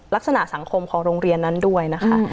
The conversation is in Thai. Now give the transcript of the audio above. ลักษณะสังคมของโรงเรียนนั้นด้วยนะคะ